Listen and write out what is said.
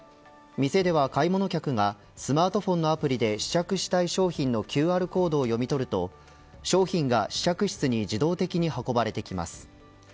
店では買い物客がスマートフォンのアプリで試着したい商品のＱＲコードを読み取ると商品が試着室に自動的に運ばれてきます。